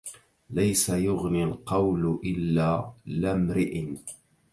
ليس يغني القول إلا لامرئ